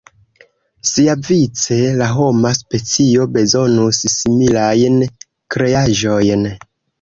Siavice, la homa specio bezonus similajn kreaĵojn.